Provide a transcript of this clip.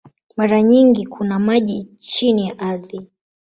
Mara nyingi kuna maji chini ya ardhi.